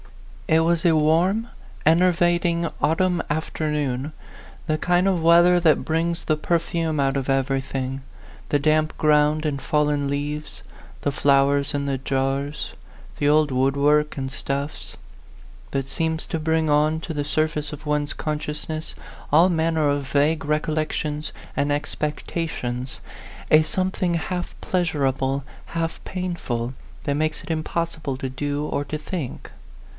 It was a warm, enervating, autumn after noon ; the kind of weather that brings the perfume out of everything, the damp ground and fallen leaves, the flowers in the jars, the old woodwork and stuffs ; that seems to bring on t6 the surface of one's consciousness all manner of vague recollections and expec tations, a something half pleasurable, half painful, that makes it impossible to do or to think.